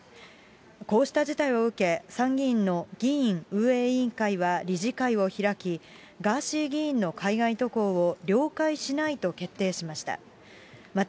こうした事態を受け、参議院の議院運営委員会は理事会を開き、ガーシー議員の海外渡航を了解しないと決定しました。